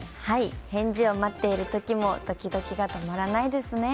返事を待っているときもドキドキが止まらないですね。